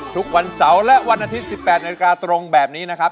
ทุกวันเสาร์และวันอาทิตย์๑๘นาฬิกาตรงแบบนี้นะครับ